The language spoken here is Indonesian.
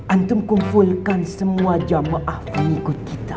antum kumfulkan semua jam maaf yang ikut kita